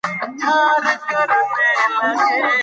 موږ په اختر کې له خپلو دوستانو سره لیدنه کوو.